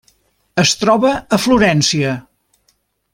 Es troba a Florència.